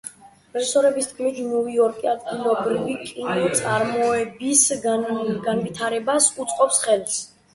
რეჟისორების თქმით ნიუ-იორკი ადგილობრივი კინო წარმოების განვითარებას უწყობს ხელს.